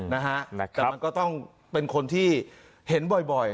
นะฮะนะครับมันก็ต้องเป็นคนที่เห็นบ่อยบ่อย